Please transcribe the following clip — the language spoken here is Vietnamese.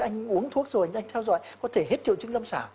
anh uống thuốc rồi anh theo dõi có thể hết triệu chứng lâm xả